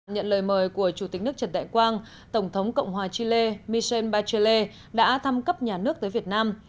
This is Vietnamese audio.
nhận lời mời của chủ tịch nước trần đại quang tổng thống cộng hòa chile michel bache đã thăm cấp nhà nước tới việt nam